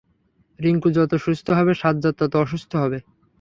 রিংকু যত সুস্থ হবে সাজ্জাদ তত অসুস্থ হবে।